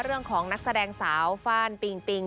เรื่องของนักแสดงสาวฟ่านปิงปิง